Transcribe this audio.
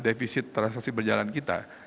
defisit transaksi berjalan kita